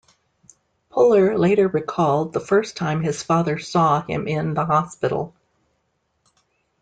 Puller later recalled the first time his father saw him in the hospital.